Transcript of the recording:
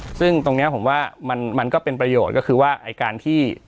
ซึ่งตรงนี้ผมว่ามันก็เป็นประโยชน์ก็คือว่าไอ้การที่